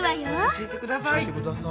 教えてください。